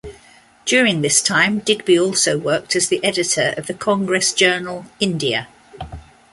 During this time Digby also worked as the editor of the Congress journal "India".